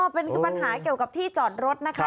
เป็นปัญหาเกี่ยวกับที่จอดรถนะคะ